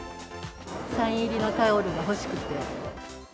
サイン入りのタオルが欲しくて。